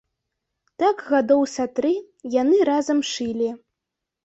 Так гадоў са тры яны разам шылі.